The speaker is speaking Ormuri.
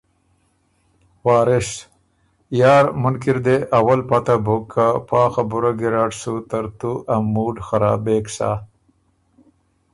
وارث: ”یار مُنکی ر دې اول پته بُک که پا خبُره ګیرډ سُو ترتُو ا موډ خرابېک سَۀ“